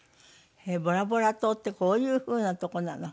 へえボラボラ島ってこういう風なとこなの。